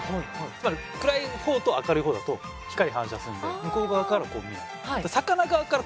つまり暗い方と明るい方だと光反射するんで向こう側からこう見えない。